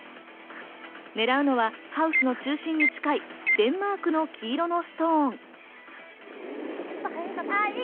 狙うのはハウスの中心に近いデンマークの黄色のストーン。